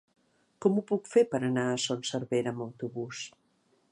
Com ho puc fer per anar a Son Servera amb autobús?